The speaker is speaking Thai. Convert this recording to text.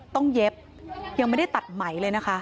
เย็บยังไม่ได้ตัดไหมเลยนะคะ